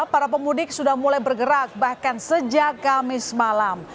para pemudik sudah mulai bergerak bahkan sejak kamis malam